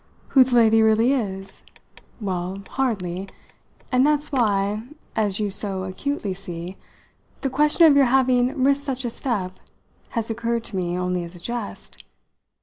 "Who the lady really is? Well, hardly; and that's why, as you so acutely see, the question of your having risked such a step has occurred to me only as a jest.